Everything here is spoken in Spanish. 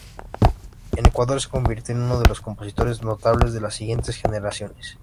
En Ecuador se convirtió en uno de los "compositores notables de las siguientes generaciones".